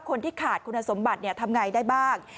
คนที่ขาดคุณสมบัติทำไงได้บ้าง